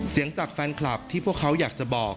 จากแฟนคลับที่พวกเขาอยากจะบอก